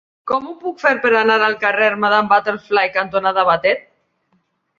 Com ho puc fer per anar al carrer Madame Butterfly cantonada Batet?